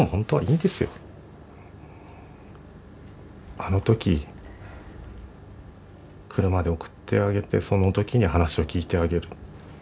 あの時車で送ってあげてその時に話を聞いてあげる。